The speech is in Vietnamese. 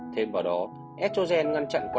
thêm vào đó estrogen ngăn chặn